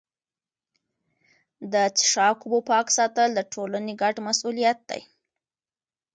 د څښاک اوبو پاک ساتل د ټولني ګډ مسوولیت دی.